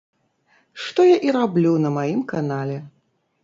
Што я і раблю на маім канале.